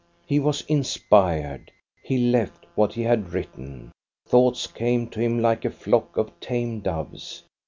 He was inspired. He left: what he had written; thoughts came to him like a flock of tame doves.